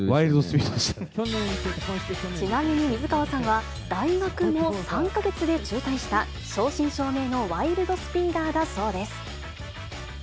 ちなみに水川さんは、大学も３か月で中退した、正真正銘のワイルド・スピーダーだそうです。